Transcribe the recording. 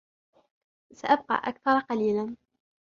سأبقى أكثر قليلا.